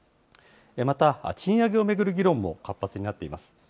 また、賃上げを巡る議論も活発になっています。